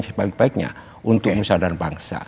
sebaik baiknya untuk musyadar bangsa